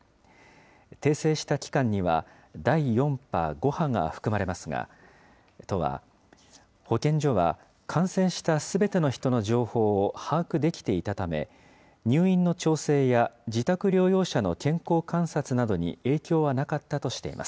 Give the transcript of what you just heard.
訂正した期間には、第４波、５波が含まれますが、都は保健所は感染したすべての人の情報を把握できていたため、入院の調整や自宅療養者の健康観察などに影響はなかったとしています。